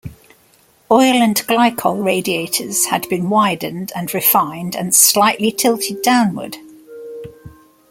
Oil and glycol radiators had been widened and refined and slightly tilted downward.